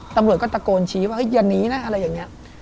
ตำรวจก็ตะโกนชี้ว่าอย่าหนีนะอะไรอย่างนี้